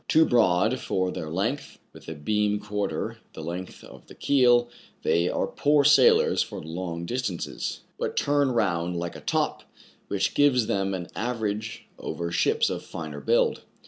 Too broad for their length, with a beam quarter the length of the keel, they are poor sailers for long distances, but turn round like a top, which gives them an advantage over ships of finer build.